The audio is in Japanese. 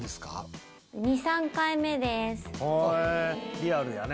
リアルやね